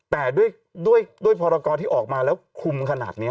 แต่ด้วยพรกรที่ออกมาแล้วคลุมขนาดนี้